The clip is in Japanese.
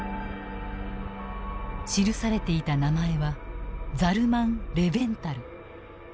記されていた名前はザルマン・レヴェンタル。